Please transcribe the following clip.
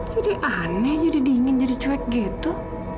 jadi aneh jadi dingin jadi cuek gitu